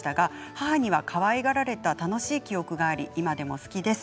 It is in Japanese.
母にはかわいがられた楽しい記憶があり今でも好きです。